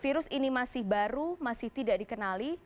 virus ini masih baru masih tidak dikenali